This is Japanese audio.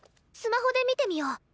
スマホで見てみよう。